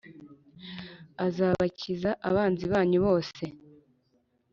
Azabakiza abanzi banyu bose